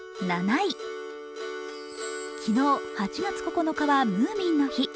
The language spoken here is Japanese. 昨日、８月９日はムーミンの日。